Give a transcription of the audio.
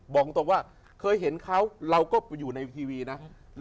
บอกตรงว่าเคยเห็นเขาเราก็อยู่ในทีวีนะ